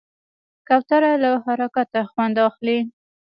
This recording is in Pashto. کوتره له حرکته خوند اخلي.